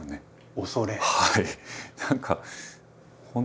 はい。